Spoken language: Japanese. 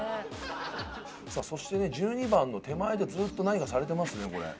さあそしてね１２番の手前でずっと何かされてますねこれ。